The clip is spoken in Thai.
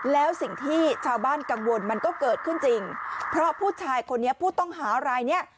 แล้วสิ่งที่ชาวบ้านกังวลมันก็เกิดขึ้นจริงเพราะผู้ชายคนนี้ผู้ต้องหารายเนี้ย